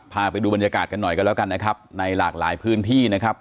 พาไปดูบรรยากาศกันหน่อยกันแล้วกันนะครับในหลากหลายพื้นที่นะครับ